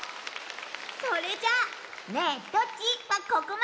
それじゃ「ねえどっち？」はここまで！